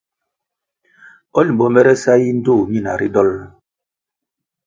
O Limbo mere sa yi ndtoh nyina ri dolʼ?